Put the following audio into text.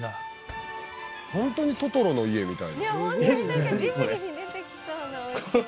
ホントにトトロの家みたい。